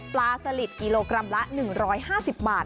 สลิดกิโลกรัมละ๑๕๐บาท